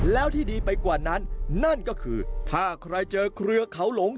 แล้วที่ดีไปกว่านั้นนั่นก็คือถ้าใครเจอเครือเขาหลง